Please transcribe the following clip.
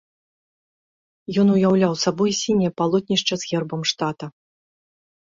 Ён уяўляў сабой сіняе палотнішча з гербам штата.